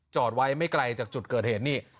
จอดไว้ไม่ไกลจากจุดเกิดเหตุนี่